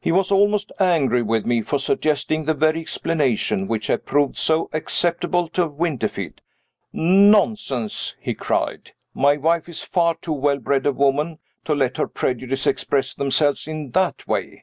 He was almost angry with me for suggesting the very explanation which had proved so acceptable to Winterfield. "Nonsense!" he cried. "My wife is far too well bred a woman to let her prejudices express themselves in that way.